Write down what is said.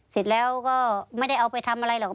เสร็จแล้วก็ไม่ได้เอาไปทำอะไรหรอก